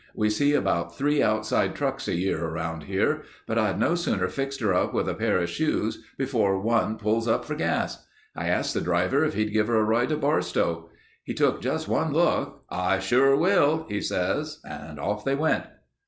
We see about three outside trucks a year around here, but I'd no sooner fixed her up with a pair of shoes before one pulls up for gas. I asked the driver if he'd give her a ride to Barstow. He took just one look. 'I sure will,' he says and off they went.